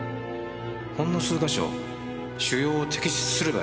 ほんの数か所腫瘍を摘出すればいい。